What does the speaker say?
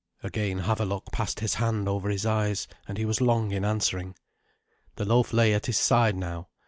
Again Havelok passed his hand over his eyes, and he was long in answering. The loaf lay at his side now.